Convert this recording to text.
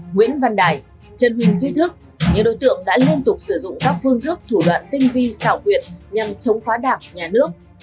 nguyễn văn đài trần huỳnh duy thức những đối tượng đã liên tục sử dụng các phương thức thủ đoạn tinh vi xảo quyệt nhằm chống phá đảng nhà nước